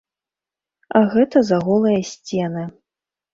Гэта за голыя сцены.